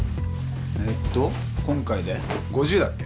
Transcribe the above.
えーと今回で５０だっけ？